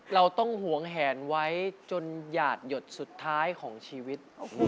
เราต้องหวงแหนไว้จนหยาดหยดสุดท้ายของชีวิต